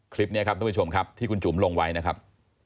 คลิปนี้ครับท่านผู้ชมครับที่คุณจุ๋มลงไว้นะครับ